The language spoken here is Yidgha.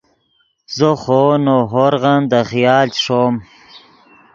زو خوو نؤ ہورغن دے خیال چے ݰوم